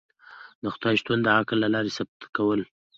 د خدای شتون د عقل له لاری ثبوت کول